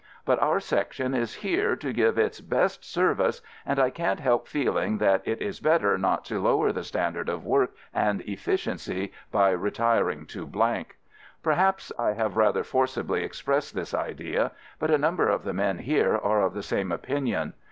But our Section is here to give its best service and I can't help feeling that it is better not to lower the standard of work and effi ciency by retiring to . Perhaps I have rather forcibly expressed this idea, but a number of the men here are of the same opinion.